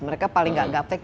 mereka paling gak gap tech